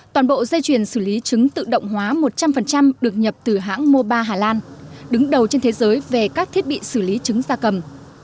toàn bộ dây chuyền xử lý trứng tự động hóa một trăm linh được nhập từ hãng mobi hà lan đứng đầu trên thế giới về các thiết bị xử lý trứng da cầm